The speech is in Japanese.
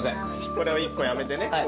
これを１個やめてね。